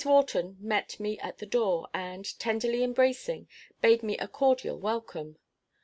Wharton met me at the door, and, tenderly embracing, bade me a cordial welcome.